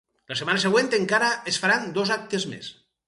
La setmana següent encara es faran dos actes més.